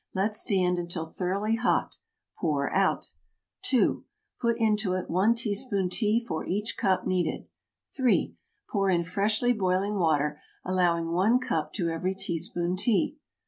Let stand until thoroughly hot. Pour out. 2. Put into it 1 teaspoon tea for each cup needed. 3. Pour in freshly boiling water, allowing 1 cup to every teaspoon tea.